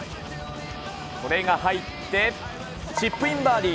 これが入って、チップインバーディー。